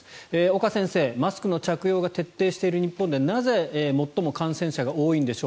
岡先生、マスクの着用が徹底している日本ではなぜ最も感染者が多いんでしょう。